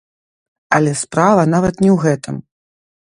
Але справа нават не ў гэтым.